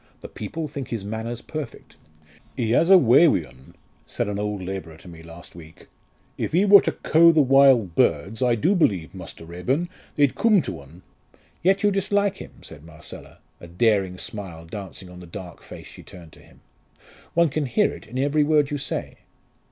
The people think his manners perfect. ''Ee 'as a way wi' un,' said an old labourer to me last week. 'If 'ee wor to coe the wild birds, I do believe, Muster Raeburn, they'd coom to un!'" "Yet you dislike him!" said Marcella, a daring smile dancing on the dark face she turned to him. "One can hear it in every word you say."